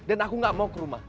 dan aku gak mau ke rumah